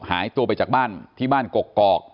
หายตัวไปจากบ้านที่บ้านกกอก